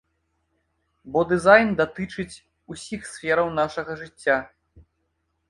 Бо дызайн датычыць усіх сфераў нашага жыцця.